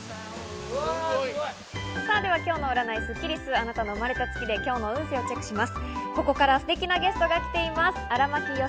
今日の占いスッキりす、あなたの生まれた月で今日の運勢をチェックします。